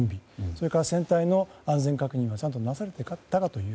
それから船体の安全確認がちゃんとなされていたか。